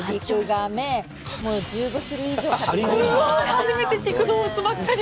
初めて聞く動物ばっかり！